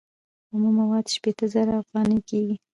اومه مواد شپیته زره افغانۍ کېږي